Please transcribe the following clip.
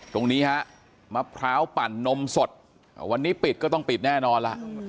ตรงนี้ฮะมะพร้าวปั่นนมสดวันนี้ปิดก็ต้องปิดแน่นอนล่ะ